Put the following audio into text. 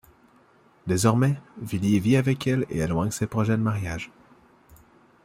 Désormais, Villiers vit avec elle et éloigne ses projets de mariage.